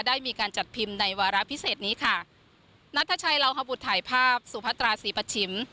ได้มีการจัดพิมพ์ในวาระพิเศษนี้ค่ะนัทชัยลาวฮบุตรถ่ายภาพสุพัตราศรีปัชชิม